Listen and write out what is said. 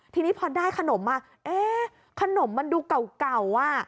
ทีนี้พอได้ขนมมาเอ๊ะขนมมันดูเก่าอ่ะ